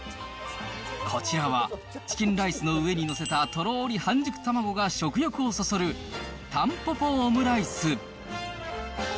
こちらは、チキンライスの上に載せたとろーり半熟卵が食欲をそそる、タンポポオムライス。